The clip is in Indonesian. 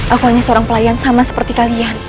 aku hanya seorang pelayan sama seperti kalian